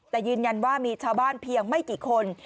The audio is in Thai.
แต่ยืนยันว่ามีชาวบ้านเพียงไม่กี่คน